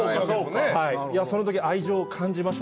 その時愛情を感じました。